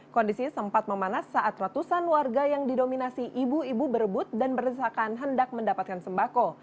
kondisi sempat memanas saat ratusan warga yang didominasi ibu ibu berebut dan berdesakan hendak mendapatkan sembako